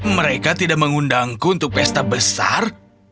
mereka tidak mengundangku untuk pesta besar